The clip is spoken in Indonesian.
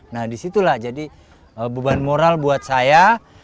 nah di situlah jadi beban moral buat saya